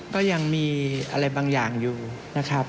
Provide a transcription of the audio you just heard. ก็ยังมีอะไรบางอย่างอยู่นะครับ